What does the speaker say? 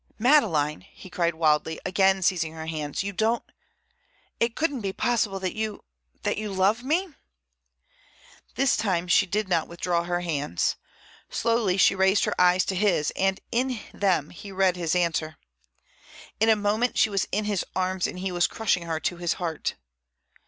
"Madeleine," he cried wildly, again seizing her hands, "you don't—it couldn't be possible that you—that you love me?" This time she did not withdraw her hands. Slowly she raised her eyes to his, and in them he read his answer. In a moment she was in his arms and he was crushing her to his heart.